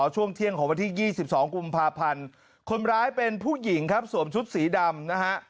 ช่วงเที่ยงของวันที่๒๒กุมภาพันธ์คนร้ายเป็นผู้หญิงครับสวมชุดสีดำนะฮะ